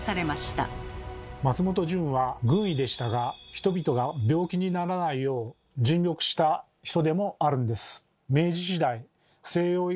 松本順は軍医でしたが人々が病気にならないよう尽力した人でもあるんです。